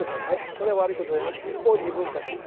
これは悪いことだよね」ってこう二分化しない。